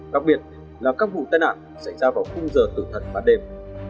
đặc biệt là các vụ tàn nạn xảy ra vào khung giờ tử thật bán đêm